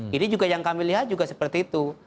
jadi juga yang kami lihat juga seperti itu